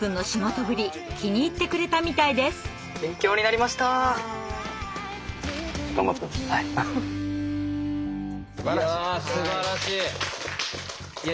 いやすばらしい。